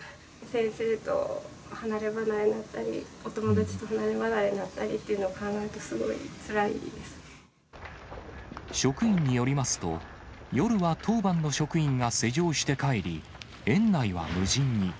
先生と離れ離れになったり、お友達と離れ離れになったりっていうのを考えるとすごいつらいで職員によりますと、夜は当番の職員が施錠して帰り、園内は無人に。